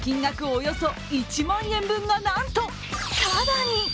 およそ１万円分が、なんとただに。